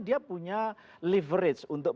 dia punya leverage untuk